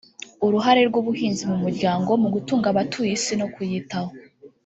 “Uruhare rw’ubuhinzi bw’umuryango mu gutunga abatuye isi no kuyitaho”